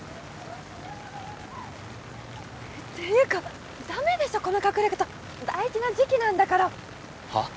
ていうかダメでしょこの隠れ方大事な時期なんだからはっ？